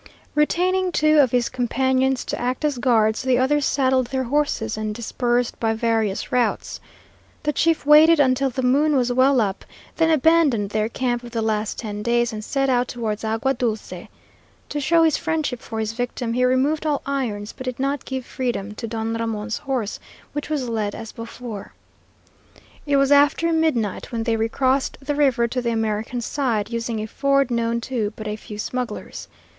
Retaining two of his companions to act as guards, the others saddled their horses and dispersed by various routes. The chief waited until the moon was well up, then abandoned their camp of the last ten days and set out towards Agua Dulce. To show his friendship for his victim, he removed all irons, but did not give freedom to Don Ramon's horse, which was led, as before. It was after midnight when they recrossed the river to the American side, using a ford known to but a few smugglers.